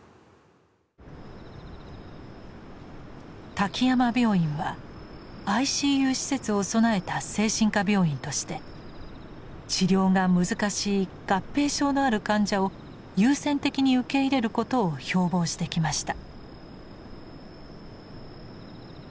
滝山病院はＩＣＵ施設を備えた精神科病院として治療が難しい合併症のある患者を優先的に受け入れることを標ぼうしてきました。